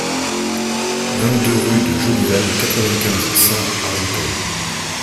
vingt-deux rue de Jolival, quatre-vingt-quinze, cent, Argenteuil